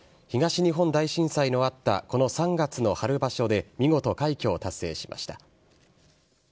東日本大震災のあった、この３月の春場所で、見事快挙を達成しました。